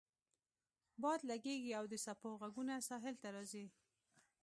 باد لګیږي او د څپو غږونه ساحل ته راځي